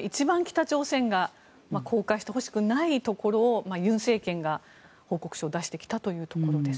一番北朝鮮が公開してほしくないところを尹政権が報告書を出してきたということです。